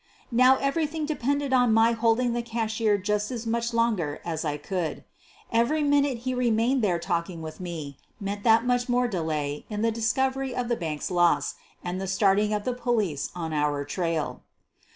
Now everything depended on my holding the cash ier just as much longer as I could. Every minute he remained there talking with me meant that much delay in the discovery of the bank's loss and the starting of the police on our trail.